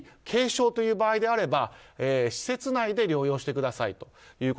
軽症という場合であれば施設内で療養してくださいと。